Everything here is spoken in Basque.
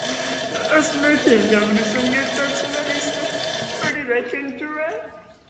Ez nekien garbi zer gertatzen ari zen, hori da kontua.